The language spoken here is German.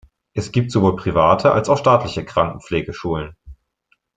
Es gibt sowohl private als auch staatliche Krankenpflegeschulen.